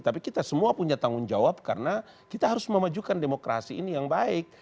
tapi kita semua punya tanggung jawab karena kita harus memajukan demokrasi ini yang baik